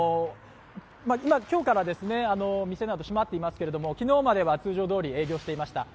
今日から店などは閉まっていますけれども、昨日までは通常どおり営業していました。